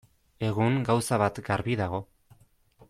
Egun, gauza bat garbi dago.